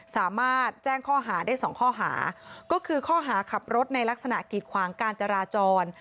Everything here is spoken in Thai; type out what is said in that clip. สามารถแจ้งข้อหาได้สองข้อหาก็คือข้อหาขับรถในลักษณะกีดขวางการจราจร